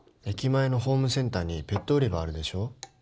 駅前のホームセンターにペット売り場あるでしょ？